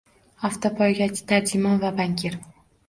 Avtopoygachi, tarjimon va bankir